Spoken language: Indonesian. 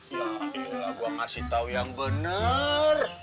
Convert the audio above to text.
ya iya lah gua ngasih tau yang bener